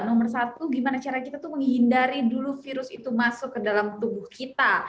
nomor satu gimana cara kita tuh menghindari dulu virus itu masuk ke dalam tubuh kita